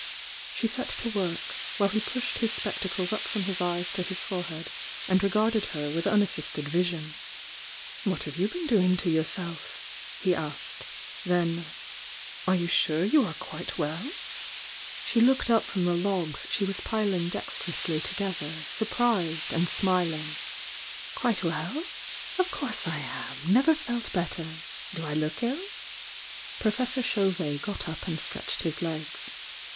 She set to work, while he pushed his spectacles up from his eyes to his forehead and regarded her with unassisted vision. "What have you been doing to yourself?" he asked, then. "Are you sure you are quite well?" THK YOUNG DIANA 217 She looked up from the logs she was piling dexter ously together, surprised and smiling. "Quite well? Of course I am! Never felt better I Do I look ill?" Professor Chauvet got up and stretched his legs.